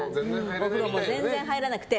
お風呂も全然入らなくて。